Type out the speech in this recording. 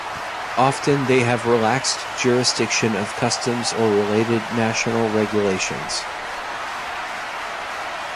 Often they have relaxed jurisdiction of customs or related national regulations.